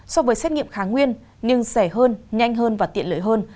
so với xét nghiệm kháng nguyên nhưng rẻ hơn nhanh hơn và tiện lợi hơn